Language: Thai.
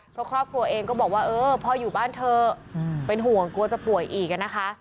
เพราะครอบครัวเองก็บอกว่าเออพ่ออยู่บ้านเถอะเป็นห่วงกลัวจะป่วยอีกนะคะ